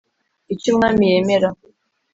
Icyo umwami yemera